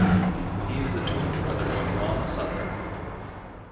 He is the twin brother of Ron Sutter.